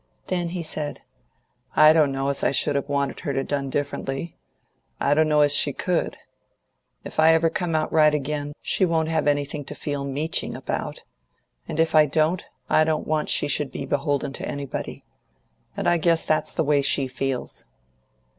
Then he said, "I don't know as I should have wanted her to done differently; I don't know as she could. If I ever come right again, she won't have anything to feel meeching about; and if I don't, I don't want she should be beholden to anybody. And I guess that's the way she feels."